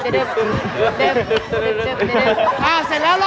วันนี้ยอด